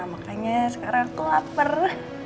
makanya sekarang aku lapar